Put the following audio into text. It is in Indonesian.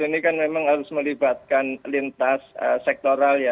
ini kan memang harus melibatkan lintas sektoral ya